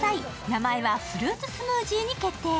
名前はフルーツスムージーに決定。